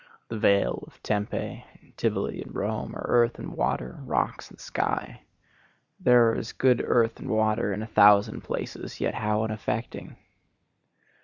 The vale of Tempe, Tivoli and Rome are earth and water, rocks and sky. There are as good earth and water in a thousand places, yet how unaffecting!